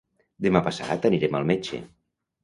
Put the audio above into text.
Demà passat anirem al metge.